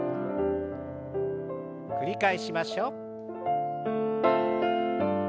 繰り返しましょう。